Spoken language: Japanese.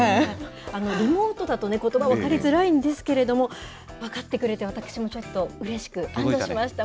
リモートだとね、ことば、分かりづらいんですけれども、分かってくれて、私もちょっとうれしく、安どしました。